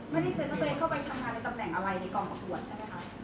ไม่ได้เซ็นว่าตัวเองเข้าไปทำงานในตำแหน่งอะไรในกองประกวดใช่ไหมคะ